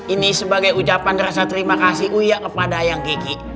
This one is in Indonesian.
ini sebagai ucapan rasa terima kasih uya kepada yang gigi